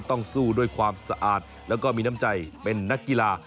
ต้องสู้ด้วยความสะอาดแล้วก็มีน้ำใจเป็นนักกีฬา